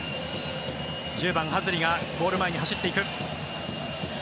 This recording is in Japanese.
１０番、ハズリがゴール前に走っていく。